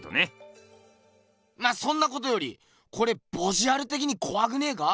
まあそんなことよりこれボジュアルてきにこわくねえか？